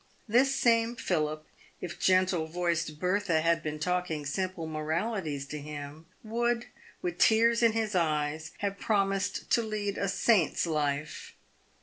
This same Philip, if gentle voiced Bertha had been talking simple moralities to him, would, with tears in his eyes, have promised to lead a saint's life.